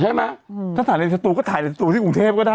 ใช่ไหมถ้าถ่ายในสตูก็ถ่ายในสตูที่กรุงเทพก็ได้